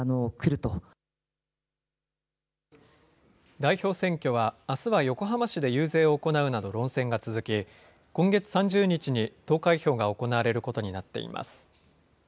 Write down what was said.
代表選挙は、あすは横浜市で遊説を行うなど論戦が続き、今月３０日に投開票が行われることになっています。